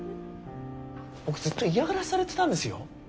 僕ずっと嫌がらせされてたんですよ？